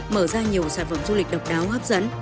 mở ra nhiều sản phẩm du lịch độc đáo hấp dẫn